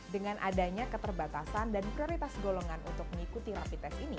dengan adanya keterbatasan dan prioritas golongan untuk mengikuti rapi